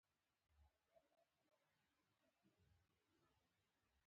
سترګې یې ډکې ډکې تورې کړې وې او جامې یې سپینې وې.